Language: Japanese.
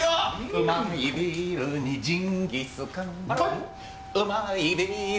「うまいビールにジンギスカン」よいしょ！